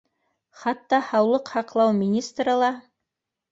Хатта һаулыҡ һаҡлау министры ла